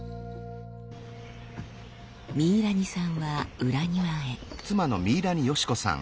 ミイラニさんは裏庭へ。